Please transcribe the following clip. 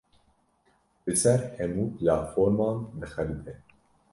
Li ser hemû platforman dixebite.